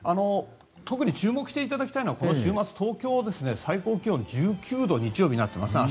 特に注目していただきたいのがこの週末東京は、最高気温１９度日曜日、明日ですね。